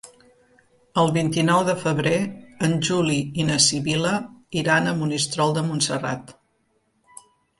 El vint-i-nou de febrer en Juli i na Sibil·la iran a Monistrol de Montserrat.